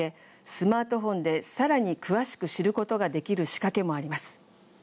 スマートフォンでさらに詳しく知ることができる仕掛けもあります。